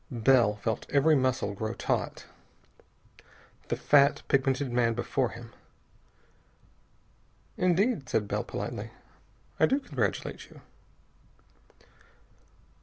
Bell felt every muscle grow taut. The fat, pigmented man before him.... "Indeed," said Bell politely, "I do congratulate you."